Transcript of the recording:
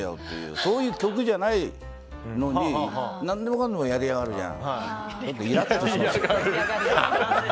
そういう曲じゃないのに何でもかんでもやりやがるじゃん。